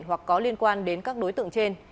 hoặc có liên quan đến các đối tượng trên